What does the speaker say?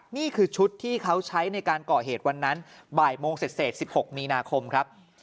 นี่คือชุดที่เขาใช้ในการก่อเหตุวันนั้นบ่ายโมงเสร็จ๑๖มีนาคมครับ